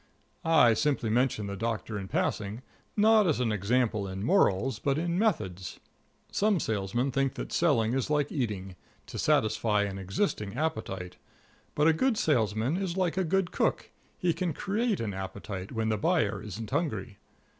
I simply mention the Doctor in passing, not as an example in morals, but in methods. Some salesmen think that selling is like eating to satisfy an existing appetite; but a good salesman is like a good cook he can create an appetite when the buyer isn't hungry.